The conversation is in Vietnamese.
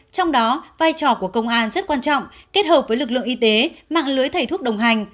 trong đó vai trò của công an rất quan trọng kết hợp với lực lượng y tế mạng lưới thầy thuốc đồng hành